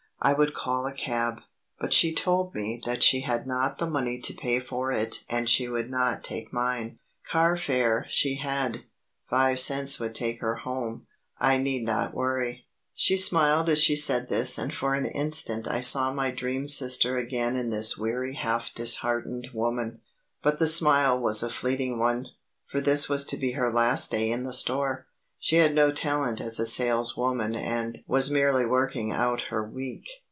I would call a cab; but she told me that she had not the money to pay for it and she would not take mine. Carfare she had; five cents would take her home. I need not worry. She smiled as she said this and for an instant I saw my dream sister again in this weary half disheartened woman. But the smile was a fleeting one, for this was to be her last day in the store; she had no talent as a saleswoman and was merely working out her week.